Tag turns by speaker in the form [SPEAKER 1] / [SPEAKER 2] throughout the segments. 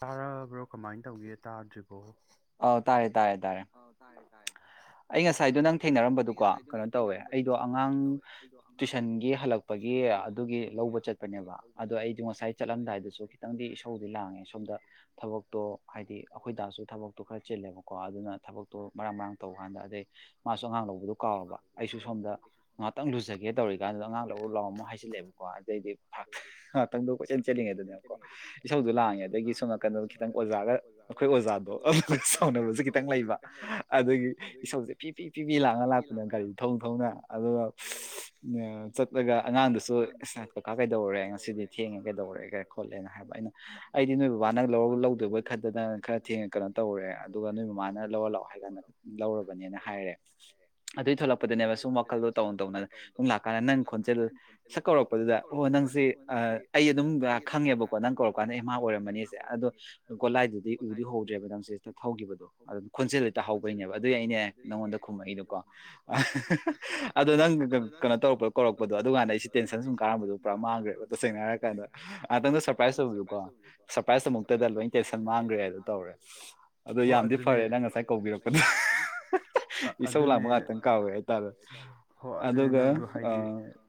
[SPEAKER 1] ꯇꯥꯔꯕ꯭ꯔꯣ ꯀꯃꯥꯏꯅ ꯇꯧꯒꯦ ꯇꯥꯗ꯭ꯔꯤꯕꯣ
[SPEAKER 2] ꯑꯧ ꯇꯥꯔꯦ ꯇꯥꯔꯦ ꯇꯥꯔꯦ
[SPEAKER 1] ꯑꯧ ꯇꯥꯔꯦ ꯇꯥꯔꯦ ꯇꯥꯔꯦ
[SPEAKER 2] ꯑꯩ ꯉꯁꯥꯏꯗꯣ ꯅꯪ ꯊꯦꯡꯅꯔꯝꯕꯗꯨꯀꯣ ꯀꯩꯅꯣ ꯇꯧꯋꯦ ꯑꯩꯗꯣ ꯑꯉꯥꯡ ꯇꯨꯏꯁꯟꯒꯤ ꯍꯜꯂꯛꯄꯒꯤ ꯑꯗꯨꯒꯤ ꯂꯧꯕ ꯆꯠ ꯆꯠꯄꯅꯦꯕ ꯑꯗꯣ ꯑꯩꯗꯣ ꯉꯁꯥꯏ ꯆꯠꯂꯝꯗꯥꯏꯗꯁꯨ ꯈꯤꯇꯪꯗꯤ ꯏꯁꯧꯗꯤ ꯂꯥꯡꯉꯦ ꯁꯣꯝꯗ ꯊꯕꯛꯇꯣ ꯍꯥꯏꯗꯤ ꯑꯩꯈꯣꯏ ꯗꯥꯁꯨ ꯊꯕꯛꯇꯣ ꯈꯔ ꯆꯤꯜꯂꯦꯕꯀꯣ ꯑꯗꯨꯅ ꯊꯕꯛꯇꯣ ꯃꯔꯥꯡ ꯃꯔꯥꯡ ꯇꯧ ꯀꯥꯟꯗ ꯑꯗꯩ ꯃꯥꯁꯨ ꯑꯉꯥꯡ ꯂꯧꯕ ꯑꯗꯨꯗꯣ ꯀꯥꯎꯔꯕ ꯑꯩꯁꯨ ꯁꯣꯝꯗ ꯉꯥꯏꯍꯥꯛꯇꯪ ꯂꯨꯖꯒꯦ ꯇꯧꯔꯤꯀꯥꯟꯗꯨꯗ ꯑꯉꯥꯡ ꯂꯧꯔꯨ ꯂꯥꯎ ꯑꯝꯨꯛ ꯍꯥꯏꯖꯤꯜꯂꯛꯑꯦꯕꯀꯣ ꯑꯗꯩꯗꯤ ꯉꯥꯛꯇꯪꯗꯣ ꯀꯣꯏꯆꯦꯟ ꯆꯦꯜꯂꯤꯉꯩꯗꯨꯅꯦꯕꯀꯣ ꯏꯁꯧꯗꯣ ꯂꯥꯡꯉꯦ ꯑꯗꯒꯤ ꯁꯣꯝ ꯅꯥꯀꯟꯗ ꯈꯤꯇꯪ ꯑꯣꯖꯥꯒ ꯑꯩꯈꯣꯏ ꯑꯣꯖꯥꯗꯣ ꯑꯗꯨꯒ ꯁꯥꯎꯅꯕꯁꯨ ꯈꯤꯇꯪ ꯂꯩꯕ ꯑꯗꯨꯒꯤ ꯏꯁꯧꯁꯦ ꯐꯤ ꯐꯤ ꯐꯤ ꯂꯥꯡ ꯂꯥꯛꯄꯅꯦ ꯒꯥꯔꯤ ꯊꯧꯅ ꯊꯧꯅ ꯑꯗꯨꯒ ꯑ ꯆꯠꯂꯒ ꯑꯉꯥꯡꯗꯨꯁꯨ [unintelligible] ꯀꯀꯥ ꯀꯩꯗꯧꯔꯦ ꯉꯁꯤꯗꯤ ꯊꯦꯡꯉꯦ ꯀꯩꯗꯧꯔꯒꯦ ꯈꯣꯠꯂꯦꯅ ꯍꯥꯏꯕ ꯑꯩꯅ ꯑꯩꯗꯤ ꯅꯣꯏ ꯕꯕꯥꯅ ꯂꯧꯔ ꯂꯧꯗꯣꯏꯕꯣꯏ ꯈꯟꯗꯅ ꯈꯔ ꯊꯦꯡꯅ ꯀꯩꯅꯣ ꯇꯧꯔꯨꯔꯦ ꯑꯗꯨꯒ ꯅꯣꯏ ꯃꯃꯥꯅ ꯂꯧꯔꯨ ꯂꯥꯛꯑꯣ ꯍꯥꯏ ꯀꯥꯟꯗ ꯂꯧꯔꯕꯅꯦꯅ ꯍꯥꯏꯔꯦ ꯑꯗꯨꯏ ꯊꯣꯛꯂꯛꯄ ꯗꯅꯦꯕ ꯁꯨꯝ ꯋꯥꯈꯜꯗꯣ ꯇꯧꯅ ꯇꯧꯅ ꯁꯨꯝ ꯂꯥꯛꯀꯥꯟꯗ ꯅꯪ ꯈꯣꯟꯖꯦꯜ ꯁꯛ ꯀꯧꯔꯛꯄꯗꯨꯗ ꯑꯣ ꯅꯪꯁꯤ ꯑꯩ ꯑꯗꯨꯝ ꯈꯪꯉꯦꯕꯀꯣ ꯅꯪ ꯀꯧꯔꯀꯥꯟꯗ ꯑꯩ ꯃꯥ ꯑꯣꯏꯔꯝꯃꯅꯤꯁꯦ ꯑꯗꯣ ꯒꯣꯂꯥꯏꯗꯨꯗꯤ ꯎꯗꯤ ꯎꯍꯧꯗ꯭ꯔꯦꯕ ꯅꯪ ꯁꯤꯦ ꯊꯧꯈꯤꯕꯗꯣ ꯑꯗꯨ ꯈꯣꯟꯖꯦꯜꯗꯤ ꯇꯥ ꯍꯧꯕꯩꯅꯦꯕ ꯑꯗꯨꯏ ꯑꯩꯅꯦ ꯅꯪꯉꯣꯟꯗ ꯈꯨꯝꯃꯛꯏ ꯀꯤ ꯑꯗꯣꯅꯪ ꯇꯧꯔꯛꯄꯣ ꯀꯧꯔꯛꯄꯗꯣ ꯑꯗꯨꯀꯥꯟꯗ ꯑꯩꯁꯤ ꯇꯦꯟꯁꯟ ꯁꯨꯝ ꯀꯥꯔꯝꯕꯗꯨꯣ ꯄꯨꯔꯥ ꯃꯥꯡꯈ꯭ꯔꯦꯕ ꯇꯁꯦꯡꯅ ꯍꯥꯏꯔꯀꯥꯟꯗ ꯉꯍꯥꯛꯇꯪꯗ ꯁꯔꯄ꯭ꯔꯥꯏꯖ ꯇꯧꯕꯗꯨ ꯀꯣ ꯁꯔꯄ꯭ꯔꯥꯏꯖꯇ ꯑꯃꯨꯛꯇꯗ ꯂꯣꯏ ꯇꯦꯟꯁꯟ ꯃꯥꯡꯈ꯭ꯔꯦ ꯍꯥꯏꯗꯣ ꯇꯧꯔꯦ ꯑꯗꯣ ꯌꯥꯝꯗꯤ ꯐꯔꯦ ꯅꯪ ꯉꯁꯥꯏ ꯀꯧꯕꯤꯔꯛꯄ
[SPEAKER 1] ꯀꯧꯕꯤꯔꯛꯄꯗꯨ
[SPEAKER 2] ꯏꯁꯧ ꯂꯥꯡꯝꯕ ꯉꯥꯛꯇꯪ ꯀꯥꯎꯋꯦ ꯍꯥꯏꯇꯥꯔꯦ ꯑꯗꯨꯒ ꯑ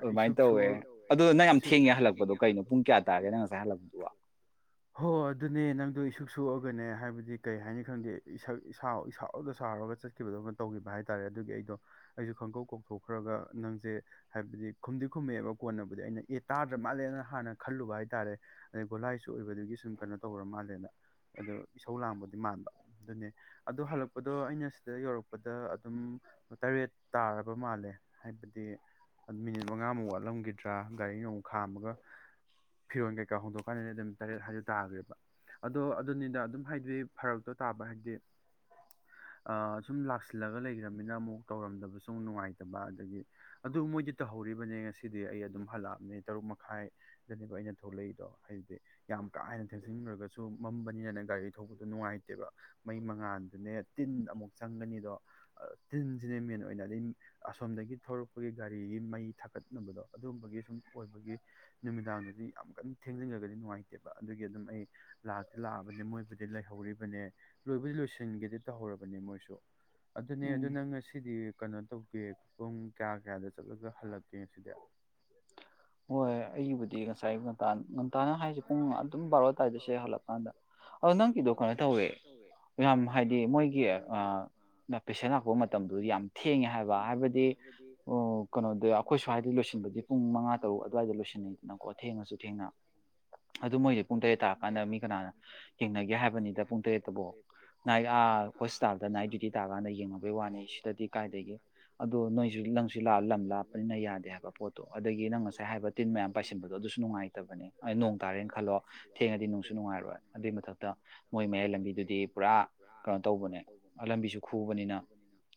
[SPEAKER 2] ꯑꯗꯨꯃꯥꯏꯅ ꯇꯧꯋꯦ ꯑꯗꯨ ꯅꯪ ꯌꯥꯝ ꯊꯦꯡꯉꯦ ꯍꯜꯂꯛꯄꯗꯣ ꯀꯩꯅꯣ ꯄꯨꯡ ꯀꯌꯥ ꯇꯥꯒꯦ ꯅꯪ ꯉꯁꯥꯏ ꯍꯜꯂꯛꯄꯗꯨꯕꯣ
[SPEAKER 1] ꯍꯣꯏꯣꯏ ꯑꯗꯨꯅꯦ ꯅꯪꯗꯣ ꯁꯁꯨꯛ ꯁꯣꯛꯑꯒꯅꯦ ꯍꯥꯏꯕꯗꯤ ꯀꯩ ꯍꯥꯏꯅꯤ ꯈꯪꯗꯦ ꯑꯦꯁꯛ ꯏꯁꯥꯎ ꯏꯁꯥꯎꯗ ꯁꯥꯑꯣꯔꯒ ꯆꯠꯈꯤꯕꯗꯧꯅ ꯇꯧꯈꯤꯕ ꯍꯥꯏꯇꯥꯔꯦ ꯑꯗꯨꯒꯤ ꯑꯩꯗꯣ ꯑꯩꯗꯣ ꯈꯪꯀꯧ ꯀꯧꯊꯣꯛꯈ꯭ꯔꯒ ꯅꯪꯁꯦ ꯍꯥꯏꯕꯗꯤ ꯈꯨꯝꯗꯤ ꯈꯨꯝꯃꯛꯑꯦꯕ ꯀꯣꯟꯅꯕꯨꯗꯤ ꯑꯩꯅ ꯑꯦ ꯇꯥꯗ꯭ꯔ ꯃꯥꯜꯂꯦꯅ ꯍꯥꯟꯅ ꯈꯜꯂꯨꯕ ꯍꯥꯏ ꯇꯥꯔꯦ ꯒꯣꯂꯥꯏꯁꯨ ꯑꯣꯏꯕꯗꯨꯒꯤ ꯁꯨꯝ ꯀꯩꯅꯣ ꯇꯧ꯭ꯔ ꯃꯥꯜꯂꯦꯅ ꯑꯗꯣ ꯏꯁꯧ ꯂꯥꯡꯕꯗꯤ ꯃꯥꯟꯕ ꯑꯗꯨꯅꯦ ꯑꯗꯣ ꯍꯜꯂꯛꯄꯗꯣ ꯑꯩꯅ ꯁꯤꯗ ꯌꯧꯔꯛꯄ ꯗ ꯑꯗꯨꯝ ꯇꯔꯦꯠ ꯇꯥꯔꯕ ꯃꯥꯜꯂꯦ ꯍꯥꯏꯕꯗꯤ ꯃꯤꯅꯤꯠ ꯃꯉꯥꯃꯨꯛ ꯋꯥꯠꯂꯝꯈꯤꯗ꯭ꯔꯥ ꯒꯥꯔꯤꯅ ꯑꯃꯨꯛ ꯈꯥꯝꯃꯒ ꯐꯤꯔꯣꯟ ꯀꯩꯀ ꯍꯣꯡꯗꯣꯛꯀꯥꯟꯗꯗꯤ ꯑꯗꯨꯝ ꯇꯔꯦꯠ ꯍꯥꯏꯗ ꯇꯥꯈ꯭ꯔꯦꯕ ꯑꯗꯣ ꯑꯗꯨꯅꯤꯅ ꯑꯗꯨꯝ ꯍꯥꯏꯗꯤ ꯐꯔꯛꯇꯣ ꯇꯥꯕ ꯍꯥꯏꯗꯤ ꯑ ꯁꯨꯝ ꯂꯥꯛꯁꯤꯜꯂꯒ ꯂꯩꯈ꯭ꯔꯅꯤꯅ ꯑꯃꯨꯛ ꯇꯧꯔꯝꯗꯕꯁꯨ ꯑꯃꯣꯛ ꯅꯨꯡꯉꯥꯏꯇꯕ ꯑꯗꯒꯤ ꯑꯗꯨ ꯃꯣꯏꯗꯤ ꯇꯧꯍꯧꯔꯤꯕꯅꯦ ꯉꯁꯤꯗꯤ ꯑꯩ ꯑꯗꯨꯝ ꯍꯜꯂꯛꯑꯕꯅꯦ ꯇꯔꯨꯛ ꯃꯈꯥꯏ ꯗꯅꯦꯕꯥ ꯑꯩꯅ ꯊꯣꯛꯂꯛꯏꯗꯣ ꯍꯥꯏꯗꯤ ꯌꯥꯝ ꯀꯥ ꯍꯦꯟꯅ ꯊꯦꯛꯖꯤꯟꯂꯨꯔꯒꯁꯨ ꯃꯝꯕꯅꯤꯅꯅ ꯒꯥꯔꯤ ꯊꯧꯕꯗꯣ ꯅꯨꯡꯉꯥꯏꯇꯦꯕ ꯃꯩ ꯃꯉꯥꯜꯗꯨꯅꯦ ꯇꯤꯟ ꯑꯃꯨꯛ ꯆꯪꯒꯅꯤꯗꯣ ꯇꯤꯟ ꯁꯤꯅꯦ ꯃꯦꯟ ꯑꯣꯏꯅ ꯑꯗꯩꯩ ꯑꯁꯣꯝꯗꯒꯤ ꯊꯧꯔꯛꯄꯒꯤ ꯒꯥꯔꯤꯒꯤ ꯃꯩ ꯊꯥꯀꯠꯅꯕꯗꯣ ꯑꯗꯨꯒꯨꯝꯕꯒꯤ ꯁꯨꯝ ꯑꯣꯏꯕꯒꯤ ꯅꯨꯃꯤꯗꯥꯡꯗꯨꯗꯤ ꯌꯥꯝ ꯀꯟꯅ ꯊꯦꯡꯖꯤꯟꯉꯒꯗꯤ ꯅꯨꯡꯉꯥꯏꯇꯦꯕ ꯑꯗꯨꯒꯤ ꯑꯗꯨꯝ ꯑꯩ ꯂꯥꯛꯇꯤ ꯂꯥꯛꯑꯕꯅꯤ ꯃꯣꯏꯕꯨ ꯂꯩꯍꯧꯔꯤꯕꯅꯦ ꯂꯣꯏꯕꯨꯗꯤ ꯂꯣꯏꯁꯤꯟꯒꯦꯗꯤ ꯇꯧꯍꯧꯔꯕꯅꯦ ꯃꯣꯏꯁꯨ ꯑꯗꯨꯅꯦ ꯑꯗꯨ ꯅꯪ ꯉꯁꯤꯗꯤ ꯀꯩꯅꯣ ꯇꯧꯒꯦ ꯄꯨꯡ ꯀꯌꯥ ꯀꯌꯥꯗ ꯆꯠꯂꯒ ꯍꯜꯂꯛꯀꯦ ꯉꯁꯤꯗꯤ
[SPEAKER 2] ꯍꯣꯏ ꯑꯩꯒꯤꯕꯨꯗꯤ ꯉꯁꯥꯏ ꯉꯟꯇꯥ ꯉꯟꯇꯥꯅ ꯍꯥꯏꯁꯦ ꯄꯨꯡ ꯑꯗꯨꯝ ꯕꯥꯔꯣ ꯇꯥꯏꯗ ꯁꯦ ꯍꯜꯂꯛꯀꯥꯟꯗ ꯑꯗꯣ ꯅꯪꯒꯤꯗꯣ ꯀꯩꯅꯣ ꯇꯧꯋꯦ ꯌꯥꯝ ꯍꯥꯏꯗꯤ ꯃꯣꯏꯒꯤ ꯄꯦꯁꯦꯟ ꯂꯥꯛꯄ ꯃꯇꯝꯗꯨꯗꯤ ꯌꯥꯝ ꯊꯦꯡꯉꯦ ꯍꯥꯏꯕ ꯍꯥꯏꯕꯗꯤ ꯀꯩꯅꯣꯗ ꯑꯩꯈꯣꯏ ꯁꯨꯋꯥꯏꯗꯤ ꯂꯣꯏꯁꯤꯟꯕꯗꯤ ꯄꯨꯡ ꯃꯉꯥ ꯇꯔꯨꯛ ꯑꯗꯨꯋꯥꯏꯗ ꯂꯣꯏꯁꯤꯟꯅꯩꯗꯅꯀꯣ ꯊꯦꯡꯉꯁꯨ ꯊꯦꯡꯅ ꯑꯗꯨ ꯃꯣꯏꯗꯤ ꯄꯨꯡ ꯇꯔꯦꯠ ꯇꯥꯔꯀꯥꯟꯗ ꯃꯤ ꯀꯅꯥꯅ ꯌꯦꯡꯅꯒꯦ ꯍꯥꯏꯕꯅꯤꯗ ꯄꯨꯡ ꯇꯔꯦꯠꯇꯕꯨꯣ ꯅꯥꯏꯠꯥ ꯍꯣꯁꯄꯤꯇꯥꯜꯗ ꯅꯥꯏꯠ ꯗ꯭ꯌꯨꯇꯤ ꯇꯥꯔꯀꯥꯟꯗ ꯌꯦꯡꯅꯕꯩ ꯋꯥꯅꯤ ꯁꯤꯗꯗꯤ ꯀꯥꯏꯗꯒꯤ ꯑꯗꯣ ꯅꯣꯏꯁꯨ ꯅꯪꯁꯨ ꯂꯝ ꯂꯥꯞꯄꯅꯤꯅ ꯌꯥꯗꯦ ꯍꯥꯏꯕ ꯄꯣꯠꯇꯣ ꯑꯗꯒꯤ ꯅꯪ ꯅꯁꯨ ꯍꯥꯏꯕ ꯇꯤꯟ ꯃꯌꯥꯝ ꯄꯥꯏꯁꯤꯟꯕꯗꯣ ꯑꯗꯨꯁꯨ ꯅꯨꯡꯉꯥꯏꯇꯕꯅꯤ ꯅꯣꯡ ꯇꯥꯔꯦꯅ ꯈꯜꯂꯣ ꯊꯦꯡꯉꯗꯤ ꯅꯨꯡꯁꯨ ꯅꯨꯡꯉꯥꯏꯔꯣꯏ ꯑꯗꯨꯏ ꯃꯊꯛꯇ ꯃꯣꯏ ꯃꯌꯥꯏ ꯂꯝꯕꯤꯗꯨꯗꯤ ꯄꯨꯔꯥ ꯀꯩꯅꯣ ꯇꯧꯕꯅꯦ ꯂꯝꯕꯤꯁꯨ ꯈꯨꯕꯅꯤꯅ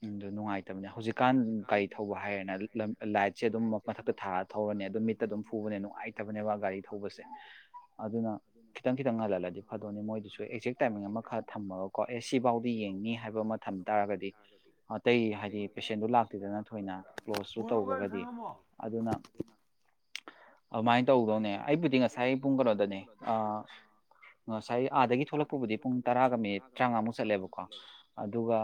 [SPEAKER 2] ꯑꯗꯨ ꯅꯨꯡꯉꯥꯏꯇꯕꯅꯦ ꯍꯧꯖꯤꯛꯀꯥꯟ ꯒꯥꯔꯤ ꯊꯧꯕ ꯍꯥꯏꯔꯦꯅ ꯂꯥꯏꯠꯁꯦ ꯑꯗꯨꯝ ꯃꯊꯛꯇ ꯊꯥꯜꯂ ꯊꯧꯔꯅꯤ ꯑꯗꯨꯝ ꯃꯤꯠꯇ ꯑꯗꯨꯝ ꯐꯨꯕꯅꯦ ꯅꯨꯡꯉꯥꯏꯇꯕꯅꯦꯕ ꯒꯥꯔꯤ ꯊꯧ
[SPEAKER 1] [unintelligible]
[SPEAKER 2] ꯑꯗꯨꯅ ꯈꯤꯇꯪ ꯈꯤꯇꯪ ꯉꯜꯍꯜꯂꯗꯤ ꯐꯗꯣꯏꯅꯤ ꯃꯣꯏꯗꯨꯁꯨ ꯑꯦꯛꯖꯦꯛ ꯇꯥꯏꯃꯤꯡ ꯑꯃ ꯈꯔ ꯊꯝꯃꯒ ꯀꯣ ꯑꯦ ꯁꯤꯐꯥꯎꯗꯤ ꯌꯦꯡꯅꯤ ꯍꯥꯏꯕ ꯑꯃ ꯊꯝ ꯇꯥꯔꯒꯗꯤ ꯑꯇꯩ ꯍꯥꯏꯗꯤ ꯄꯦꯁꯦꯟꯗꯨ ꯂꯥꯛꯇꯦꯗ ꯅ ꯑꯣꯏꯅ ꯀ꯭ꯂꯣꯁꯁꯨ ꯇꯧꯒ꯭ꯔꯒꯗꯤ ꯑꯗꯨꯅ
[SPEAKER 1] ꯑꯗꯨꯅ [unintelligible]
[SPEAKER 2] ꯑꯃꯥꯏ ꯇꯧꯗꯧꯅꯦ ꯑꯩꯕꯨꯗꯤ ꯉꯁꯥꯏ ꯄꯨꯡ ꯀꯩꯅꯣꯗꯅꯦ ꯑ ꯉꯁꯥꯏ ꯑꯥꯗꯒꯤ ꯊꯣꯛꯂꯛꯄꯕꯨꯗꯤ ꯄꯨꯡ ꯇꯔꯥꯒ ꯃꯤꯅꯤꯠ ꯇꯔꯥꯃꯉꯥꯃꯨꯛ ꯆꯠꯂꯦꯕꯀꯣ ꯑꯗꯨꯒ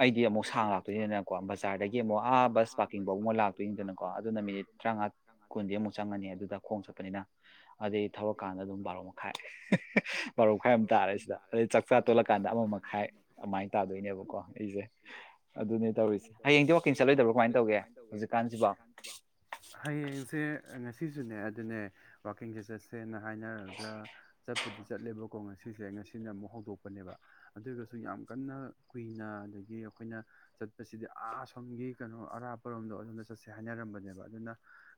[SPEAKER 2] ꯑꯩꯗꯤ ꯑꯃꯨꯛ ꯁꯥꯡ ꯂꯥꯛꯇꯣꯏꯅꯤꯗꯅꯀꯣ ꯕꯖꯥꯔꯗꯒꯤ ꯑꯃꯨꯛ ꯑꯥ ꯕꯁ ꯄꯥꯔꯀꯤꯡꯐꯥꯎꯕ ꯂꯥꯛꯇꯣꯏꯅꯤꯗꯅꯀꯣ ꯑꯗꯨꯅ ꯃꯤꯅꯤꯠ ꯇ꯭ꯔꯥꯡꯉꯥ ꯀꯨꯟꯗꯤ ꯑꯃꯨꯛ ꯆꯪꯉꯅꯤ ꯑꯗꯨꯗ ꯈꯣꯡ ꯆꯠꯄꯅꯤꯅ ꯑꯗꯤ ꯊꯧꯔꯥꯀꯥꯟꯗ ꯑꯗꯨꯝ ꯕꯥꯔꯣ ꯃꯈꯥꯏ ꯕꯥꯔꯣꯃ ꯈꯥꯏ ꯑꯃ ꯇꯥꯔꯦ ꯁꯤꯗ ꯑꯗꯩ ꯆꯥꯛ ꯆꯥ ꯇꯣꯜꯂꯀꯥꯟꯗ ꯑꯃ ꯃꯈꯥꯏ ꯑꯗꯨꯃꯥꯏꯅ ꯇꯥꯗꯣꯏꯅꯦꯕꯀꯣ ꯑꯩꯁꯦ ꯑꯗꯨꯅꯦ ꯇꯧꯔꯤꯁꯦ ꯍꯌꯦꯡꯗꯤ ꯋꯥꯛꯀꯤꯡ ꯆꯠꯂꯣꯏꯗꯕ꯭ꯔꯣ ꯀꯃꯥꯏꯅ ꯇꯧꯒꯦ ꯍꯧꯖꯤꯛꯀꯥꯟꯁꯤꯕꯣ
[SPEAKER 1] ꯍꯌꯦꯡꯁꯦ ꯉꯁꯤꯁꯨꯅꯦ ꯑꯗꯨꯅꯦ ꯋꯥꯛꯀꯤꯡꯁꯦ ꯆꯠꯁꯦꯅ ꯍꯥꯏꯅꯔꯒ ꯆꯠꯄꯨꯗꯤ ꯆꯠꯂꯦꯕꯀꯣ ꯉꯁꯤꯁꯦ ꯉꯁꯤꯅ ꯑꯃꯨꯛ ꯍꯧꯗꯣꯛꯄꯅꯦꯕ ꯑꯗꯨꯒꯁꯨ ꯌꯥꯝ ꯀꯟꯅ ꯀꯨꯏꯅ ꯑꯗꯒꯤ ꯑꯩꯈꯣꯏꯅ ꯆꯠꯄꯁꯤꯗꯤ ꯑꯥ ꯁꯣꯝꯒꯤ ꯀꯩꯅꯣ ꯑꯔꯥꯞꯄꯔꯣꯝꯗꯣ ꯑꯗꯣꯝꯗ ꯆꯠꯁꯦ ꯍꯥꯏꯅꯔꯝꯕꯅꯦꯕ ꯑꯗꯨꯅ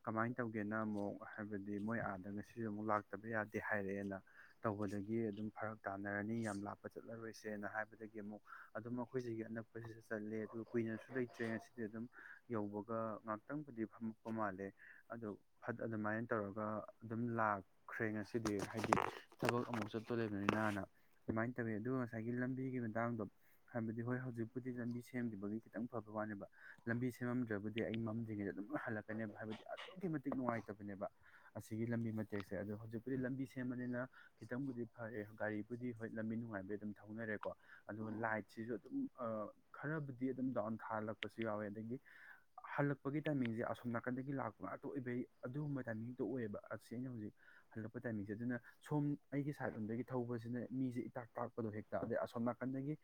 [SPEAKER 1] ꯀꯃꯥꯏꯅ ꯇꯧꯒꯦꯅ ꯑꯃꯨꯛ ꯍꯥꯏꯕꯗꯤ ꯃꯣꯏ ꯑꯥꯗ ꯉꯁꯤꯁꯨ ꯑꯃꯨꯛ ꯂꯥꯛꯇꯕ ꯌꯥꯗꯦ ꯍꯥꯏꯔꯛꯑꯦꯅ ꯇꯧꯕꯗꯒꯤ ꯑꯗꯨꯝ ꯐꯔꯛ ꯇꯥꯅꯔꯅꯤ ꯌꯥꯝ ꯂꯥꯞꯄ ꯆꯠꯂꯔꯣꯏꯁꯦꯅ ꯍꯥꯏꯕꯗꯒꯤ ꯑꯃꯨꯛ ꯑꯗꯨꯝ ꯑꯩꯈꯣꯏꯁꯤꯒꯤ ꯑꯅꯛ ꯆꯠꯂꯦ ꯑꯗꯨꯒ ꯀꯨꯏꯅꯁꯨ ꯂꯩꯇ꯭ꯔꯦ ꯉꯁꯤꯗꯤ ꯑꯗꯨꯝ ꯌꯧꯕꯒ ꯉꯥꯛꯇꯪꯕꯨꯗꯤ ꯐꯝꯃꯛꯄ ꯃꯥꯜꯂꯦ ꯑꯗꯨ ꯐꯠ ꯑꯗꯨꯃꯥꯏ ꯇꯧꯔꯒ ꯑꯗꯨꯝ ꯂꯥꯛ ꯈ꯭ꯔꯦ ꯉꯁꯤꯗꯤ ꯍꯥꯏꯗꯤ ꯊꯕꯛ ꯑꯃꯨꯛ ꯆꯠꯇꯣꯢ ꯂꯩꯕꯅꯤꯅꯅ ꯀꯃꯥꯏ ꯇꯧꯋꯦ ꯑꯗꯨꯒ ꯉꯁꯥꯏꯒꯤ ꯂꯝꯕꯤꯒꯤ ꯃꯇꯥꯡꯗꯣ ꯍꯥꯏꯕꯗꯤ ꯍꯣꯏ ꯍꯧꯖꯤꯛꯄꯨꯗꯤ ꯂꯝꯕꯤ ꯁꯦꯝꯈꯤꯕꯒꯤ ꯈꯤꯇꯪ ꯐꯕ ꯋꯥꯅꯦꯕ ꯂꯝꯕꯤ ꯁꯦꯝꯃꯝꯗ꯭ꯔꯕꯗꯤ ꯑꯩ ꯃꯝꯗ꯭ꯔꯤꯉꯩꯗ ꯑꯗꯨꯝ ꯍꯜꯂꯛꯀꯅꯦ ꯍꯥꯏꯕꯗꯤ ꯑꯗꯨꯛꯀꯤ ꯃꯇꯤꯛ ꯅꯨꯡꯉꯥꯏꯇꯕꯤꯅꯦꯕ ꯑꯁꯤꯒꯤ ꯂꯝꯕꯤ ꯃꯇꯦꯛꯁꯦ ꯑꯗꯣ ꯍꯧꯖꯤꯛꯄꯨꯗꯤ ꯂꯝꯕꯤ ꯁꯦꯝꯕꯅꯤꯅ ꯈꯤꯇꯪꯕꯨꯗꯤ ꯐꯔꯦ ꯒꯥꯔꯤꯕꯨꯗꯤ ꯍꯣꯏ ꯂꯝꯕꯤ ꯅꯨꯡꯉꯥꯏꯕꯩ ꯑꯗꯨꯝ ꯊꯧꯅꯔꯦꯀꯣ ꯑꯗꯨꯒ ꯂꯥꯏꯠꯁꯤꯁꯨ ꯑꯗꯨꯝ ꯑꯥ ꯈꯔꯕꯨꯗꯤ ꯑꯗꯨꯝ ꯗꯥꯎꯟ ꯊꯥꯍꯜꯂꯛꯄꯁꯨ ꯌꯥꯎꯋꯦ ꯑꯗꯒꯤ ꯍꯜꯂꯛꯄꯒꯤ ꯇꯥꯏꯃꯤꯡꯁꯦ ꯑꯁꯣꯝ ꯅꯥꯀꯟꯗꯒꯤ ꯂꯥꯛ ꯑꯗꯨꯑꯣꯢꯕ ꯑꯗꯨꯎꯝꯕ ꯑꯃꯁꯨꯡ ꯇꯥꯏꯃꯤꯡꯇꯣ ꯑꯣꯏꯌꯦꯕ ꯑꯁꯦ ꯑꯩꯅꯥ ꯍꯧꯖꯤꯛ ꯍꯜꯂꯛꯄ ꯇꯥꯏꯃꯤꯡꯁꯦ ꯑꯗꯨꯅ ꯁꯣꯝ ꯑꯩꯒꯤ ꯁꯥꯏꯠ ꯂꯣꯝꯗꯒꯤ ꯊꯧꯕꯁꯤꯅ ꯃꯤꯁꯦ ꯏꯇꯥꯛ ꯇꯥꯛꯄꯗꯣ ꯍꯦꯛꯇ ꯑꯗꯩ ꯑꯁꯣꯝ ꯅꯥꯀꯟꯗꯒꯤ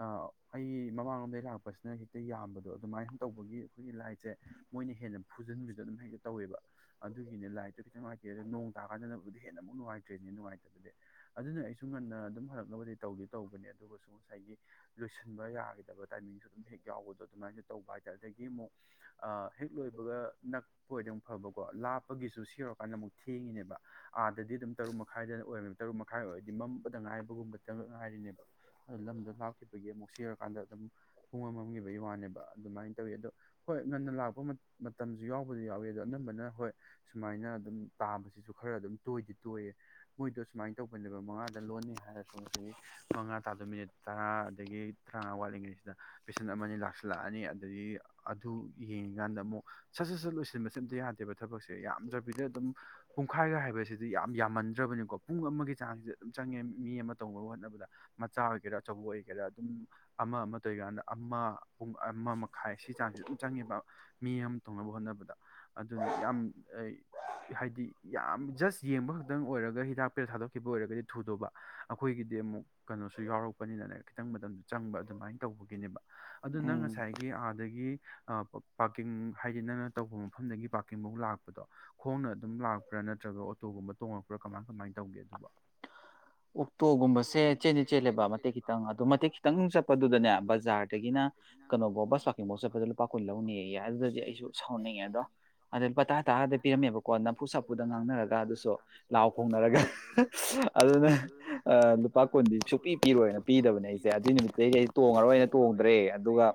[SPEAKER 1] ꯑꯥ ꯑꯩ ꯃꯃꯥꯡꯂꯣꯝꯗꯒꯤ ꯂꯥꯛꯄꯁꯤꯅ ꯍꯦꯛꯇ ꯌꯥꯝꯕꯗꯣ ꯑꯗꯨꯃꯥꯏꯅ ꯇꯧꯕꯒꯤ ꯑꯩꯈꯣꯏꯒꯤ ꯂꯥꯏꯠꯁꯦ ꯃꯣꯏꯅ ꯍꯦꯟꯅ ꯐꯨꯖꯟꯕꯤꯗꯣ ꯑꯗꯨꯝ ꯍꯦꯛꯇ ꯇꯧꯋꯦꯕ ꯑꯗꯨꯒꯤꯅꯦ ꯂꯥꯏꯠꯇꯨ ꯈꯤꯇꯪꯅꯨꯡꯉꯥꯏꯇꯦ ꯑꯗꯨ ꯅꯣꯡ ꯇꯥ ꯀꯥꯟꯗꯅꯕ ꯨꯗꯤ ꯍꯦꯟꯅ ꯑꯃꯨꯛ ꯅꯨꯡꯉꯥꯏꯇ꯭ꯔꯦꯅꯦ ꯅꯨꯡꯉꯥꯏꯇꯕꯗꯤ ꯑꯗꯨꯅ ꯑꯩꯁꯨ ꯁꯨꯨꯝ ꯉꯟꯅ ꯑꯗꯨꯝ ꯍꯜꯂꯛꯂꯅꯕꯗꯤ ꯇꯧꯗꯤ ꯇꯧꯕꯅꯦ ꯑꯗꯨꯒ ꯁꯨꯝ ꯁꯤꯏꯠ ꯀꯤ ꯂꯣꯏꯁꯤꯟꯕ ꯌꯥꯒꯤꯗꯕ ꯇꯥꯏꯃꯤꯡꯁꯨ ꯑꯗꯨꯝ ꯍꯦꯛ ꯌꯥꯎꯕꯗꯣ ꯑꯗꯨꯃꯥꯏꯅ ꯇꯧꯕ ꯍꯥꯏꯇꯥꯔꯦ ꯑꯗꯒꯤ ꯃꯨꯛ ꯑꯥ ꯍꯦꯛ ꯂꯣꯏꯕꯒ ꯅꯛ ꯄꯣꯏꯗꯤ ꯐꯕꯀꯣ ꯂꯥꯞꯄꯒꯤꯁꯨ ꯁꯤꯌꯧꯔꯀꯥꯟꯗ ꯑꯃꯨꯛ ꯊꯦꯡꯉꯤꯅꯦꯕ ꯑꯥꯗꯗꯤ ꯑꯗꯨꯝ ꯇꯔꯨꯛ ꯃꯈꯥꯏꯗ ꯑꯣꯏꯔꯝꯃꯦ ꯇꯔꯨꯛ ꯃꯈꯥꯏ ꯑꯣꯏꯔꯗꯤ ꯃꯝꯕꯗ ꯉꯥꯏꯕꯒꯨꯝꯕ ꯇꯟ ꯉꯥꯏꯔꯤꯅꯦꯕ ꯂꯝꯗꯣ ꯂꯥꯞꯈꯤꯕꯒꯤ ꯑꯃꯨꯛ ꯁꯤꯌꯧꯔꯀꯥꯟꯗ ꯑꯗꯨꯝ ꯄꯨꯡꯃꯝꯃꯝꯈꯤꯕꯒꯤ [unintelligible] ꯋꯥꯅꯦꯕ ꯑꯗꯨꯃꯥꯏꯅ ꯇꯧꯋꯤ ꯑꯗꯣ ꯍꯣꯏ ꯉꯟꯅ ꯂꯥꯛꯄ ꯃꯇꯝꯁꯨ ꯌꯥꯎ ꯗꯨꯕꯨ ꯌꯥꯎꯋꯤ ꯑꯗꯣ ꯑꯅꯝꯕꯅ ꯍꯣꯏ ꯁꯨꯃꯥꯏꯅ ꯑꯗꯨꯝ ꯇꯥꯕꯁꯤꯁꯨ ꯈꯔ ꯑꯗꯨꯝ ꯇꯣꯏꯗꯤ ꯇꯣꯏꯌꯦ ꯃꯣꯏꯗꯣ ꯁꯨꯃꯥꯏꯅ ꯇꯧꯕꯅꯦꯕ ꯃꯉꯥꯗ ꯂꯣꯟꯅꯤ ꯍꯥꯏꯔꯁꯨ ꯃꯉꯥ ꯇꯥꯗꯣꯏ ꯃꯤꯅꯤꯠ ꯇꯔꯥ ꯑꯗꯒꯤ ꯇꯔꯥꯃꯉꯥ ꯋꯥꯠꯂꯤꯉꯩꯁꯤꯗ ꯄꯦꯁꯦꯟ ꯑꯃꯅꯤ ꯂꯥꯛꯁꯤꯜꯂꯛꯑꯅꯤ ꯑꯗꯨꯒꯤ ꯑꯗꯨ ꯌꯦꯡꯉꯤꯀꯥꯟꯗ ꯑꯃꯨꯛ ꯁꯠ ꯁꯠ ꯁꯠ ꯂꯣꯏꯁꯤꯟꯕ ꯁꯦ ꯌꯥꯗꯦꯕ ꯊꯕꯛꯁꯦ ꯌꯥꯝꯗ꯭ꯔꯕꯤꯗ ꯑꯗꯨꯝ ꯄꯨꯡꯈꯥꯏꯒ ꯍꯥꯏꯕꯁꯤꯗꯤ ꯌꯥꯝ ꯌꯥꯝꯃꯟꯗ꯭ꯔꯕꯅꯤꯀꯣ ꯄꯨꯡ ꯑꯃꯒꯤ ꯆꯥꯡꯁꯤꯗ ꯑꯗꯨꯝ ꯆꯪꯉꯦ ꯃꯤ ꯑꯃ ꯇꯧꯕꯑꯣ ꯍꯣꯠꯅꯕꯗ꯫ ꯃꯆꯥ ꯑꯣꯏꯒꯦꯔꯥ ꯑꯆꯧꯕ ꯑꯣꯏꯒꯦꯔꯥ ꯑꯗꯨꯝ ꯑꯃ ꯑꯃ ꯇꯧꯔꯤꯀꯥꯟꯗ ꯑꯃ꯫ ꯄꯨꯡ ꯑꯃ ꯃꯈꯥꯏ ꯁꯤ ꯆꯥꯡꯁꯦ ꯑꯗꯨꯝ ꯆꯪꯉꯦꯕ ꯃꯤ ꯑꯃ ꯇꯧꯅꯕ ꯍꯣꯠꯅ ꯕꯗꯥ ꯑꯗꯨꯅ ꯌꯥꯝ ꯑꯩ ꯍꯥꯏꯗꯤ ꯌꯥꯝ ꯖꯁ ꯌꯦꯡꯕ ꯈꯛꯇꯪ ꯑꯣꯏꯔꯒ ꯍꯤꯗꯥꯛ ꯄꯤꯔꯥ ꯊꯥꯗꯣꯛꯈꯤꯕ ꯑꯣꯏꯔꯒꯗꯤ ꯊꯨꯗꯧꯕ ꯑꯈꯣꯏꯒꯤꯗꯤ ꯑꯃꯨꯛ ꯀꯩꯅꯣꯁꯨ ꯌꯥꯎꯔꯛꯄꯅꯤꯅꯅꯦ ꯈꯤꯇꯪ ꯃꯇꯝꯗꯨ ꯆꯪꯕ ꯑꯗꯨꯃꯥꯏ ꯇꯧꯕꯒꯤꯅꯦꯕ ꯑꯗꯨ ꯅꯪ ꯉꯁꯥꯏꯒꯤ ꯑꯥꯗꯒꯤ ꯑꯥ꯫ ꯄꯥꯔꯀꯤꯡ ꯍꯥꯏꯗꯤ ꯅꯪꯅ꯫ ꯇꯧꯕ ꯃꯐꯝꯗꯒꯤ ꯄꯥꯔꯀꯤꯡ ꯐꯧ ꯂꯥꯛꯄꯗꯣ ꯈꯣꯡꯅ ꯑꯗꯨꯝ ꯂꯥꯛꯄ꯭ꯔꯥ ꯅꯠꯇ꯭ꯔꯒ ꯑꯣꯇꯣꯒꯨꯝꯕ ꯇꯣꯡꯉꯛ꯫ ꯄ꯭ꯔ ꯀꯃꯥꯏ ꯀꯃꯥꯏꯅ ꯇꯧꯒꯦ ꯑꯗꯨꯕꯨ꯫
[SPEAKER 2] ꯑꯣꯛꯇꯣꯒꯨꯝꯕꯁꯦ ꯆꯦꯟꯗꯤ ꯆꯦꯜꯂꯦꯕ ꯃꯇꯦꯛ ꯈꯤꯇꯪ ꯑꯗꯣ ꯃꯇꯦꯛ ꯈꯤꯇꯪ ꯆꯠꯄꯗꯨꯗꯅꯦ ꯕꯖꯥꯔꯗꯒꯤꯅ ꯀꯩꯅꯣꯐꯥꯎ ꯕꯁ ꯄꯥꯔꯀꯤꯡꯐꯥꯎ ꯆꯠꯄꯗ ꯂꯨꯄꯥ ꯀꯨꯟ ꯂꯧꯅꯤꯌꯦ ꯑꯗꯨꯗꯗꯤ ꯑꯩꯁꯨ ꯁꯥꯎꯅꯤꯡꯉꯦꯗꯣ꯫ ꯍꯥꯟꯅꯗꯤ ꯂꯨꯄꯥ ꯇꯥꯔꯥ ꯇꯥꯔꯗ ꯄꯤꯔꯝꯃꯦꯕꯀꯣ ꯅꯝꯐꯨ ꯁꯥꯐꯨꯗ ꯉꯥꯡꯅꯔꯒ ꯑꯗꯨꯁꯨ ꯂꯥꯎ ꯈꯣꯡꯅꯔꯒ꯫ ꯑꯁ ꯑꯗꯨꯅ ꯑꯥ ꯂꯨꯄꯥ ꯀꯨꯟꯗꯤ ꯁꯨꯄꯤ ꯄꯤꯔꯣꯏꯅ ꯄꯤꯗꯕꯅꯦ ꯑꯩꯁꯦ ꯑꯗꯨꯏ ꯅꯨꯃꯤꯠꯇꯒꯤ ꯇꯣꯡꯉꯔꯣꯏꯅ ꯇꯣꯡꯗ꯭ꯔꯦ ꯑꯗꯨꯒ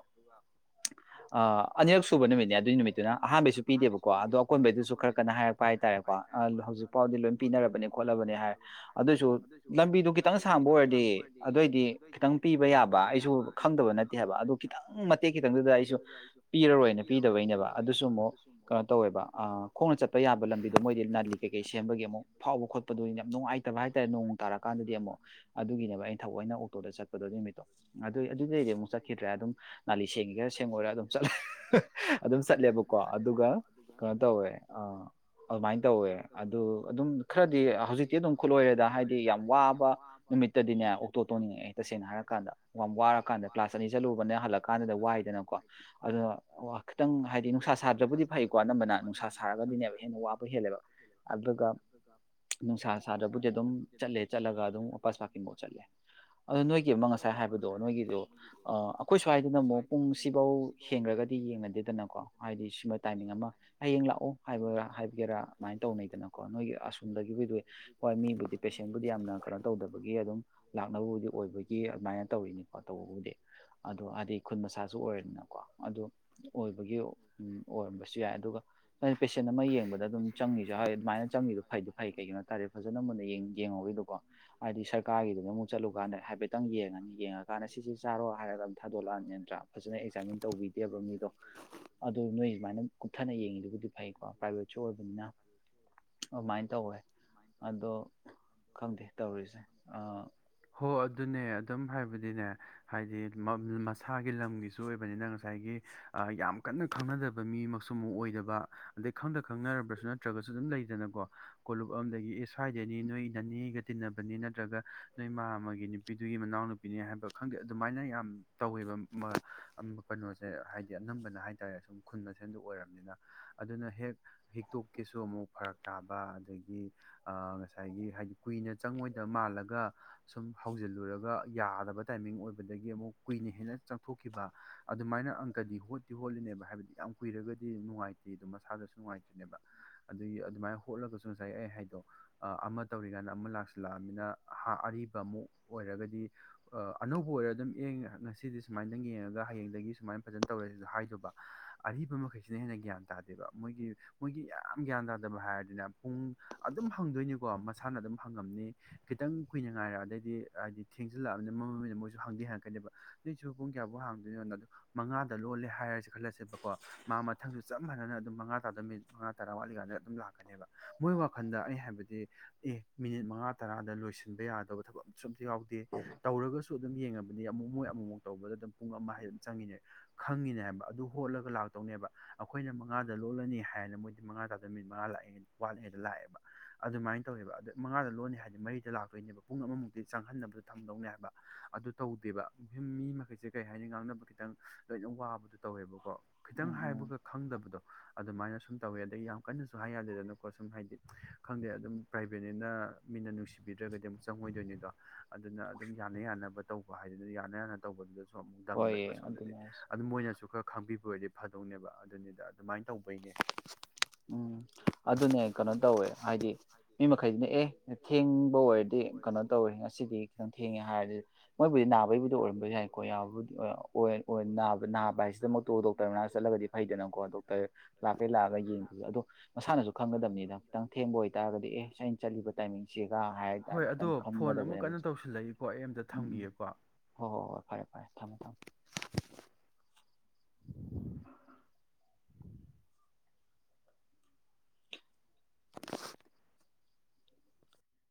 [SPEAKER 2] ꯑꯥ ꯑꯅꯤꯔꯛ ꯁꯨꯕ ꯅꯨꯃꯤꯠꯅꯦ ꯑꯗꯨꯏ ꯅꯨꯃꯤꯠꯇꯨꯅ꯫ ꯑꯍꯥꯟꯕꯩꯁꯨ ꯄꯤꯗꯦꯕꯀꯣ ꯑꯗꯣ ꯑꯀꯣꯟꯕꯩꯗꯨꯁꯨ ꯈꯔ ꯀꯟꯅ ꯍꯥꯏꯔꯛꯄ ꯍꯥꯏꯇꯥꯔꯦꯀꯣ ꯑꯥ ꯍꯧꯖꯤꯛꯐꯥꯎꯗꯤ ꯂꯣꯏ ꯄꯤꯅꯔꯕꯅꯦ ꯈꯣꯠꯅꯔꯕꯅꯦ꯫ ꯍꯥꯏ ꯑꯗꯨꯑꯣꯢꯁꯨ ꯂꯝꯕꯤꯗꯨ ꯈꯤꯇꯪ ꯁꯥꯡꯕ ꯑꯣꯏꯔꯗꯤ ꯑꯗꯨꯑꯣꯏꯗꯤ ꯈꯤꯇꯪ ꯄꯤꯕ ꯌꯥꯕ ꯑꯩꯁꯨ ꯈꯪꯗꯕ ꯅꯠꯇꯦ ꯍꯥꯏꯕ ꯑꯗꯨ ꯈꯤꯇꯪ ꯃꯇꯦꯛ ꯈꯤꯇꯪꯗꯨꯗ ꯑꯩꯁꯨ ꯄꯤꯔꯔꯣꯏꯅ ꯄꯤꯗꯕꯩꯅꯦꯕ ꯑꯗꯨꯁꯨ ꯑꯃꯨꯛ ꯀꯩꯅꯣ ꯇꯧꯋꯦꯕ ꯑꯥ ꯈꯣꯡꯅ ꯆꯠꯄ ꯌꯥꯕ ꯂꯝꯕꯤꯗꯣ ꯃꯣꯏꯗꯤ ꯅꯥꯂꯤ ꯀꯩꯀꯩ ꯁꯦꯝꯕꯒꯤ ꯑꯃꯨꯛ ꯐꯥꯎꯕ ꯈꯣꯠꯄꯗꯨ ꯑꯩꯅ ꯅꯨꯡꯉꯥꯏꯇꯕ ꯍꯥꯏꯇꯥꯔꯦ ꯅꯣꯡ ꯇꯥꯔꯀꯥꯟꯗꯗꯤ ꯑꯃꯨꯛ ꯑꯗꯨꯒꯤꯅꯦꯕ ꯑꯩꯅ ꯊꯑꯣꯏꯅ ꯑꯩꯅ ꯑꯣꯇꯣꯗ ꯆꯠꯄꯗꯣ꫰ꯑꯗꯨ ꯅꯨꯃꯤꯠꯇꯣ꯫ ꯑꯗꯨꯏ ꯑꯗꯨꯗꯩꯗꯤ ꯑꯃꯨꯛ ꯆꯠꯈꯤꯗ꯭ꯔꯦ ꯑꯗꯨꯝ ꯅꯥꯂꯤ ꯁꯦꯡꯒꯦꯔꯥ ꯁꯦꯡꯉꯣꯏꯔ ꯑꯗꯨꯝ ꯆꯠꯂꯦ ꯑꯗꯨꯝ ꯆꯠꯂꯦꯕꯀꯣ ꯑꯗꯨꯒ ꯀꯩꯅꯣ ꯇꯧꯋꯦ ꯑꯥ ꯑꯗꯨꯃꯥꯏꯅ ꯇꯧꯋꯦ ꯑꯗꯨ ꯑꯗꯨꯝ ꯈꯔꯗꯤ ꯍꯧꯖꯤꯛ ꯖꯤꯛꯇꯤ ꯑꯗꯨꯝ ꯈꯨꯠꯂꯣꯏꯔꯦꯗ ꯍꯥꯏꯗꯤ ꯌꯥꯝ ꯋꯥꯕ ꯅꯨꯃꯤꯠꯇꯗꯤꯅꯦ ꯑꯣꯛꯇꯣ ꯇꯧꯅꯤꯡꯉꯦ ꯇꯁꯦꯡꯅ ꯍꯥꯏꯔ꯫ ꯀꯥꯟꯗ ꯌꯥꯝ ꯋꯥꯔꯛ ꯀꯥꯟꯗ ꯀ꯭ꯂꯥꯁ ꯑꯅꯤ ꯆꯠꯂꯨꯕꯅꯦ ꯍꯜꯂꯛ ꯀꯥꯟꯗꯨꯗ ꯋꯥꯏꯗꯅꯀꯣ ꯑꯗꯨꯅ ꯈꯤꯇꯪ ꯍꯥꯏꯗꯤ ꯅꯨꯡꯁꯥ ꯁꯥꯗ꯭ꯔꯕꯨꯗꯤ ꯐꯩꯀꯣ ꯑꯅꯝꯕꯅ ꯅꯨꯡꯁꯥ ꯁꯥꯔꯒꯗꯤꯅꯦꯕ ꯍꯦꯟꯅ ꯋꯥꯕ ꯍꯦꯜꯂꯦꯕ ꯑꯗꯨꯒ ꯅꯨꯡꯁꯥ ꯁ ꯥꯁꯥꯗ꯭ꯔꯕꯨꯗꯤ ꯑꯗꯨꯝ ꯆꯠꯂꯦ ꯆꯠꯂꯒ ꯑꯗꯨꯝ ꯕꯁ ꯄꯥꯀꯤꯡꯐꯥꯎ ꯆꯠꯂꯦ ꯑꯗꯣ ꯅꯣꯏꯒꯤ ꯑꯃ ꯉꯁꯥꯏ ꯍꯥꯏꯕꯗꯣ꯫ ꯅꯣꯏꯒꯤꯗꯣ꯫ ꯑ ꯑꯩꯈꯣꯏ ꯁ꯭ꯋꯥꯏꯗꯅ ꯑꯃꯨꯛ ꯄꯨꯡ ꯁꯤꯐꯥꯎ ꯍꯦꯡꯈ꯭ꯔꯒꯗꯤ ꯌꯦꯡꯅꯗꯦꯗꯅꯀꯣ ꯍꯥꯏꯗꯤ ꯁꯤꯃ꯫ ꯇꯥꯏꯃꯤꯡ ꯑꯃ ꯍꯌꯦꯡ ꯂꯥꯛꯑꯣ ꯍꯥꯏꯕꯥ ꯋꯥ ꯍꯥꯏꯕꯤꯒꯦꯔꯥ ꯑꯗꯨꯃꯥꯏꯅ ꯇꯧꯅꯩꯗꯅꯀꯣ ꯅꯣꯏꯒꯤ ꯑꯁꯣꯝꯗꯒꯤꯗꯨꯗꯤ ꯃꯤꯕꯨꯗꯤ ꯄꯦꯁꯦꯟꯕꯨꯗꯤ ꯌꯥꯝꯅ ꯀꯩꯅꯣ ꯇꯧꯗꯕꯒꯤ ꯑꯗꯨꯝ ꯂꯥꯛꯅꯕꯕꯨꯗꯤ ꯑꯣꯏꯕꯒꯤ ꯑꯗꯨꯃꯥꯏꯅ ꯇꯧꯔꯤꯅꯤꯀꯣ ꯇꯧꯕꯕꯨꯗꯤ ꯑꯗꯣ ꯍꯥꯏꯗꯤ ꯈꯨꯟ ꯃꯆꯥꯁꯨ ꯑꯣꯏꯔꯦꯗꯅꯀꯣ ꯑꯗꯣ ꯑꯣꯏꯕꯒꯤ ꯎꯝ ꯑꯣꯏꯔꯝꯕꯁꯨ ꯌꯥꯏ ꯑꯗꯨꯒ ꯍꯣꯏ ꯄꯦꯁꯦꯟ ꯑꯃ ꯌꯦꯡꯕꯗ ꯑꯗꯨꯝ ꯆꯪꯉꯤꯁꯦ ꯍꯥꯏ ꯑꯗꯨꯃꯥꯏ ꯆꯪꯉꯤꯗꯣ ꯐꯗꯤ ꯐꯩ ꯀꯩꯒꯤꯅꯣ ꯍꯥꯏ ꯇꯥꯔꯗꯤ ꯐꯖꯅ ꯃꯨꯟꯅ ꯌꯦ ꯌꯦꯡꯉꯧꯔꯤꯗꯣꯀꯣ ꯍꯥꯏꯗꯤ ꯁꯔꯀꯥꯔꯒꯤꯗꯨꯅ ꯑꯃꯨꯛ ꯆꯠꯂꯨꯀꯥꯟꯗ ꯍꯥꯏꯐꯦꯠꯇꯪ ꯌꯦꯡꯉꯅꯤ ꯌꯦꯡꯉꯀꯥꯟꯗ ꯁꯤꯁꯤ ꯆꯥꯔꯣ ꯍꯥꯏꯔꯒ ꯑꯗꯨꯝ ꯊꯥꯗꯣꯛꯂꯛꯑꯅꯤ ꯅꯠꯇ꯭ꯔꯥ ꯐꯖꯅ ꯑꯦꯛꯖꯥꯃꯤꯟ ꯇꯧꯕꯤꯗꯦꯕ ꯃꯤꯗꯣ꯫ ꯑꯗꯨ ꯅꯣꯏ ꯁꯨꯃꯥꯏꯅ ꯀꯨꯞꯊꯅ ꯌꯦꯡꯉꯤꯗꯨꯕꯨꯗꯤ ꯐꯩꯀꯣ ꯄ꯭ꯔꯥꯏꯚꯦꯠꯁꯨ ꯑꯣꯏꯕꯅꯤꯅ ꯑꯗꯨꯃꯥꯏꯅ ꯇꯧꯋꯦ꯫
[SPEAKER 1] ꯃꯥ
[SPEAKER 2] ꯑꯗꯣ ꯈꯪꯗꯦ ꯇꯧꯔꯤꯁꯦ ꯑꯥ
[SPEAKER 1] ꯍꯣ ꯑꯗꯨꯅꯦ ꯑꯗꯨꯝ ꯍꯥꯏꯕꯗꯤꯅꯦ꯫ ꯍꯥꯏꯗꯤ ꯃꯝ ꯃꯁꯥꯒꯤ ꯂꯝꯒꯤꯁꯨ ꯑꯣꯏꯕꯅꯤꯅ ꯉꯁꯥꯏꯒꯤ ꯑꯥ ꯌꯥꯝ ꯀꯟꯅ ꯈꯪꯅꯗꯕ ꯃꯤꯃꯛꯁꯨ ꯑꯃꯨꯛ ꯑꯣꯏꯗꯕ ꯑꯗꯩ ꯈꯪꯗ ꯈꯪꯅꯔꯕ꯭ꯔꯁꯨ ꯅꯠꯇ꯭ꯔꯒꯁꯨ ꯑꯗꯨꯝ ꯂꯩꯗꯅꯀꯣ꯫ ꯀꯣꯂꯨꯞ ꯑꯝꯗꯒꯤ ꯑꯦ ꯁ꯭ꯋꯥꯏꯗꯩꯩꯅꯤ ꯅꯣꯏ ꯅꯅꯦꯒ ꯇꯤꯟꯅꯕꯅꯤ ꯅꯠꯇ꯭ꯔꯒ ꯅꯣꯏ ꯃꯥꯝꯃꯒꯤ ꯅꯨꯄꯤꯗꯨꯒꯤ ꯃꯅꯥꯎꯅꯨꯄꯤꯅꯤ ꯍꯥꯏꯕ ꯈꯪꯗꯦ ꯑꯗꯨꯃꯥꯏꯅ ꯌꯥꯝ ꯇꯧꯋꯦꯕ ꯃ ꯀꯩꯅꯣꯁꯦ ꯍꯥꯏꯗꯤ ꯑꯅꯝꯕꯅ ꯍꯥꯏꯇꯥꯔꯦ ꯁꯨꯝ ꯈꯨꯟ ꯃꯁꯦꯜꯗꯨ ꯑꯣꯏꯔꯕꯅꯤꯅ ꯑꯗꯨꯅ ꯍꯦꯛ ꯍ‌ꯦꯛꯇꯣꯛꯀ‌ꯦꯁꯨ ꯑꯃꯨꯛ ꯐꯔꯛ ꯇꯥꯕ ꯑꯗꯒꯤ ꯑꯥ ꯉꯁꯥꯏꯒꯤ ꯍꯥꯏꯗꯤ ꯀꯨꯏꯅ ꯆꯪꯉꯣꯏꯗꯕ ꯃꯥꯜꯂꯒ꯫ ꯁꯨꯝ ꯍꯧꯖꯤꯜꯂꯨꯔꯒ ꯌꯥꯗꯕ ꯇꯥꯏꯃꯤꯡ ꯑꯣꯏꯕꯗꯒꯤ ꯑꯃꯨꯛ ꯀꯨꯏꯅ ꯍꯦꯟꯅ ꯆꯪꯊꯣꯛꯈꯤꯕ꯫ ꯑꯗꯨꯃꯥꯏꯅ ꯑꯪꯀꯗꯤ ꯍꯣꯠꯇꯤ ꯍꯣꯠꯂꯤꯅꯦꯕ ꯍꯥꯏꯕꯗꯤ ꯌꯥꯝ ꯀꯨꯏꯔꯒꯗꯤ ꯅꯨꯡꯉꯥꯏꯇꯦ ꯑꯗꯨꯝ ꯃꯁꯥꯗꯁꯨ ꯅꯨꯡꯉꯥꯏꯇ꯭ꯔꯤꯦꯅꯦꯕ꯫ ꯑꯗꯨꯒꯤ ꯑꯗꯨꯃꯥꯏꯅ ꯍꯣꯠꯂꯒꯁꯨ ꯉꯁꯥꯏ ꯑꯩ ꯍꯥꯏꯗꯣ ꯑ ꯑꯃ ꯇꯧꯔꯤꯀꯥꯏꯅ ꯑꯃ ꯂꯥꯛꯁꯤꯜꯂꯛꯑꯃꯤꯅ ꯍꯥ ꯑꯔꯤꯕ ꯑꯃꯨꯛ ꯑꯣꯏꯔꯒꯗꯤ ꯑꯅꯧꯕ ꯑꯣꯏꯔ ꯑꯗꯨꯝ ꯑꯦꯡ ꯉꯁꯤꯗꯤ ꯁꯨꯃꯥꯏꯅꯗꯪ ꯌꯦꯡꯉꯒ ꯍꯌꯦꯡꯗꯒꯤ ꯁꯨꯃꯥꯏꯅ ꯐꯖꯅ ꯇꯧꯔꯦꯁꯤ ꯍꯥꯏꯗꫭꯕ꯫ ꯑꯔꯤꯕ ꯃꯈꯩꯁꯤꯅ ꯍꯦꯟꯅ ꯒ꯭ꯌꯥꯟ ꯇꯥꯗꯦꯕ ꯃꯣꯏꯒꯤ ꯃꯣꯏꯒꯤ ꯌꯥꯝ ꯒ꯭ꯌꯥꯟ ꯇꯥꯗꯕ ꯍꯥꯏꯔꯗꯤꯅꯦ ꯄꯨꯡ ꯑꯗꯨꯝ ꯍꯪꯗꯣꯏꯅꯤꯀꯣ ꯃꯁꯥꯅ ꯑꯗꯨꯝ ꯍꯪꯉꯝꯅꯤ꯫ ꯈꯤꯇꯪ ꯀꯨꯏꯅ ꯉꯥꯏꯔꯛ ꯑꯗꯩꯗꯤ ꯍꯥꯏꯗꯤ ꯊꯦꯡꯖꯤꯜꯂꯛꯑꯝꯅꯤꯅ ꯃꯝꯃꯝꯅꯤꯅ ꯃꯣꯏꯁꯨ ꯍꯪꯗꯤ ꯍꯪꯉꯛꯀꯅꯦꯕ꯫ ꯑꯗꯨꯏꯁꯨ ꯄꯨꯡ ꯀꯌꯥꯚꯧ ꯍꯥꯡꯗꯣꯏꯅꯣ ꯑꯗꯨ ꯃꯉꯥꯗ ꯂꯣꯜꯂꯦ ꯍꯥꯏꯔꯁꯦ ꯈꯜꯂꯁꯦꯕꯀꯣ ꯃꯥ ꯃꯊꯪꯁꯨ ꯆꯞ ꯃꯥꯟꯅꯅ ꯑꯗꯨꯝ ꯃꯉꯥ ꯇꯥꯗꯧ ꯃꯤꯅꯤꯠ ꯃꯉꯥ ꯇꯥꯔꯥ ꯋꯥꯠꯂꯤ ꯒꯥꯟꯗ ꯑꯗꯨꯝ ꯂꯛꯀꯅ‌ꯦꯕ ꯃꯣꯏ ꯋꯥꯈꯟꯗ ꯑꯩ ꯍꯥꯏꯕꯗꯤ ꯑꯦ ꯃꯤꯅꯤꯠ ꯃꯉꯥ ꯇꯥꯔꯥ ꯗ ꯂꯣꯏꯁꯤꯟꯕ ꯌꯥꯗꯧꯕ ꯊꯕꯛ ꯑꯝꯁꯨ ꯑꯝꯇ ꯌꯥꯎꯗꯦ ꯇꯧꯔꯒꯁꯨ ꯑꯗꯨꯝ ꯌꯦꯡꯉꯝꯃꯤꯅꯤ ꯑꯃꯨꯛ ꯃꯣꯏ ꯑꯃꯨꯛꯃꯨꯛ ꯇꯧꯕꯗ ꯑꯗꯨꯝ ꯄꯨꯡ ꯑꯃ ꯍꯥꯏ ꯑꯗꯨꯝ ꯆꯪꯉꯤꯅꯦ꯫ ꯈꯪꯉꯤꯅꯦ ꯍꯥꯏꯕ ꯑꯗꯨ ꯍꯣꯠꯂꯒ ꯂꯥꯛꯇꯧꯅꯦꯕ ꯑꯈꯣꯏꯅ ꯃꯉꯥꯗ ꯂꯣꯜꯂꯅꯤ ꯍꯥꯏꯅ ꯃꯣꯏꯗꯤ ꯃꯉꯥ ꯇꯥꯗ ꯃꯤꯅꯤꯠ ꯃꯉꯥ ꯂꯥꯛꯑꯦ꯫ ꯋꯥꯠꯂꯤꯉꯩꯗ ꯂꯥꯛꯑꯦꯕ ꯑꯗꯨꯃꯥꯏꯅ ꯇꯧꯋꯦꯕ ꯃꯉꯥꯗ ꯂꯣꯟꯅꯤ ꯍꯥꯏꯗꯤ ꯃꯔꯤ ꯂꯥꯛꯇꯣꯏꯅꯦꯕ ꯄꯨꯡ ꯑꯃꯃꯨꯛꯇꯤ ꯆꯪꯍꯟꯅꯕꯗꯣ ꯊꯝꯗꯧꯅꯦ ꯍꯥꯏꯕ ꯑꯗꯨ ꯇꯧꯗꯦꯕ ꯃꯤ ꯃꯈꯩꯁꯦ ꯀꯩ ꯍꯥꯏꯅꯤ ꯉꯥꯡꯅꯕ ꯈꯤꯇꯪ ꯂꯣꯏꯅ ꯋꯥꯕꯗꯣ ꯇꯧꯋꯦꯕꯀꯣ ꯈꯤꯇꯪ ꯍꯥꯏꯕꯒ ꯈꯪꯗꯕꯗꯣ꯫ ꯑꯗꯨꯃꯥꯏꯅ ꯁꯨꯝ ꯇꯧꯋꯦ ꯑꯗꯩ ꯌꯥꯝ ꯀꯟꯅꯁꯨ ꯍꯥꯏ ꯌꯥꯗꯦꯗꯅꯀꯣ ꯁꯨꯝ ꯍꯥꯏꯗꯤ ꯈꯪꯗꯦ ꯑꯗꯨꯝ ꯄ꯭ꯔꯥꯏꯚꯦꯠꯅꯤꯅ ꯃꯤꯅ ꯅꯨꯡꯁꯤ ꯁꯤꯕꯤꯗ꯭ꯔꯒꯗꯤ ꯑꯃꯨꯛ ꯆꯪꯉꯣꯏꯗꯣꯏꯅꯤꯗꯣ ꯑꯗꯨꯅ ꯑꯗꯨꯝ ꯌꯥꯅ ꯌꯥꯅꯕ ꯇꯧꯕ ꯍꯥꯏꯗꯨꯅ ꯌꯥꯅ ꯌꯥꯅ ꯇꯧꯕꯗꯨꯗꯁꯨ ꯑꯃꯨꯛ ꯗꯝ ꯂꯣꯏꯕ ꯁꯣꯝꯗꯗꯤ ꯑꯗꯨ ꯃꯣꯏꯅꯁꯨ ꯈꯔ ꯈꯪꯕꯤꯕ ꯑꯣꯏꯔꯗꯤ ꯐꯗꯧꯅꯦꯕ ꯑꯗꯨꯅꯤꯗ ꯑꯗꯨꯃꯥꯏꯅ ꯇꯧꯕꯩꯅꯦ꯫
[SPEAKER 2] ꯎꯝ ꯑꯗꯨꯅꯦ ꯀꯩꯅꯣ ꯇꯧꯋꯦ ꯍꯥꯏꯗꯤ ꯃꯤ ꯃꯈꯩꯁꯤꯅꯦ ꯑꯦ ꯊꯦꯡ ꯕ ꯑꯣꯏꯔꯗꯤ ꯀꯩꯅꯣ ꯇꯧꯋꯦ ꯉꯁꯤꯗꯤ ꯈꯤꯇꯪ ꯊꯦꯡꯉꯦ ꯍꯥꯏꯔꯗꯤ ꯃꯣꯏꯕꯨꯗꯤ ꯅꯥꯕꯒꯤꯕꯨꯗꯤ ꯑꯣꯏꯔꯝꯕꯁꯨ ꯌꯥꯏꯀꯣ ꯌꯥꯕꯕꯨꯗꯤ ꯑꫭꯏ ꯑꫭꯏ ꯅꯥꯕ ꯅꯥꯕ ꯍꯥꯏꯁꯤꯗꯃꯛꯇꯣ ꯗꯣꯛꯇꯔꯅꯥ ꯆꯠꯂꯒꯗꯤ ꯐꯩꯗꯅꯀꯣ ꯗꯣꯛꯇꯔ ꯂꯥꯛꯀꯩ ꯂꯥꯛꯑꯒ ꯌꯦꯡ ꯑꯗꯣ ꯃꯁꯥꯅꯁꯨ ꯈꯪꯒꯗꯝꯅꯤꯗ ꯈꯤꯇꯪ ꯊꯦꯡꯕ ꯑꯣꯏꯇꯥꯔꯒꯗꯤ ꯑꯦꯁ ꯑꯩꯅ ꯆꯠꯂꯤꯕ ꯇꯥꯏꯃꯤꯡ ꯁꯤꯒ ꯍꯥꯏ
[SPEAKER 1] ꯍꯣꯏ ꯑꯗꯣ ꯐꯣꯟ ꯑꯃꯨꯛ ꯀꯟꯅ ꯇꯧꯁꯤꯜꯂꯛꯏꯀꯣ ꯑꯩ ꯑꯝꯇ ꯊꯝꯒꯤꯒꯦ꯫
[SPEAKER 2] ꯍꯣ ꯍꯣꯏ ꯍꯣꯏ ꯐꯔꯦ ꯐꯔꯦ ꯊꯝꯃꯦ ꯊꯝꯃꯦ꯫
[SPEAKER 1] [unintelligible] [unintelligible]